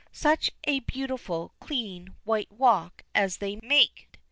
Such a beautiful, clean, white walk as they make!